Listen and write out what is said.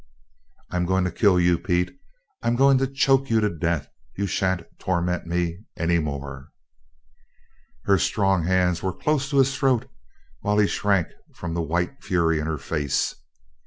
"I'm going to kill you, Pete! I'm going to choke you to death! You shan't torment me any more!" Her strong hands were close to his throat while he shrank from the white fury in her face.